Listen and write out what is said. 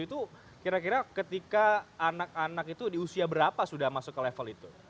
itu kira kira ketika anak anak itu di usia berapa sudah masuk ke level itu